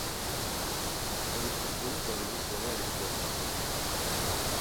On le trouve donc dans les océans et les fleuves.